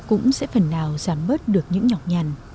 cũng sẽ phần nào giảm bớt được những nhọc nhằn